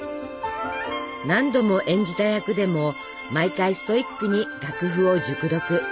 何度も演じた役でも毎回ストイックに楽譜を熟読。